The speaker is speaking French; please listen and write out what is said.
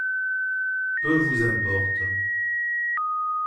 Peu vous importe!